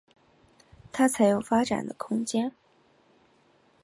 他才有发展的空间